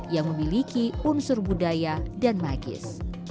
yang memiliki unsur budaya dan magis